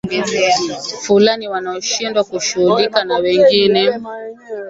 fulani wanaoshindwa kushughulika na wengine